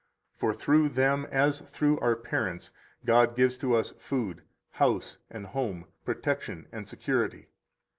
For through them, as through our parents, God gives to us food, house and home, protection and security.